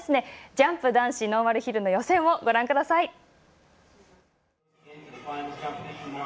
ジャンプ男子ノーマルヒルの予選をご覧ください。